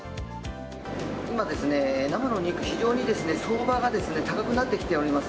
今、生のお肉、非常に相場が高くなってきております。